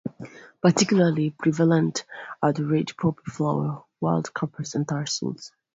Particularly prevalent are the red poppy flower, wild capers and thistles.